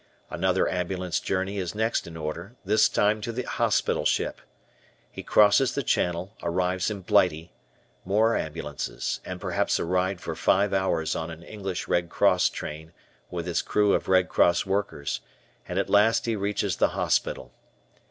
Another ambulance journey is next in order this time to the hospital ship. He crosses the Channel, arrives in Blighty more ambulances and perhaps a ride for five hours on an English Red Cross train with its crew of Red Cross workers, and at last he reaches the hospital.